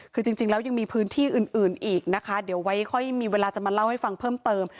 คือจริงแล้วยังมีพื้นที่อื่นอีกนะคะเดี๋ยวไว้ค่อยมีเวลาจะมาเล่าให้ฟังเพิ่มเติม